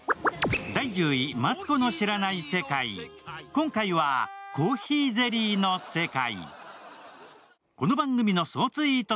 今回はコーヒーゼリーの世界。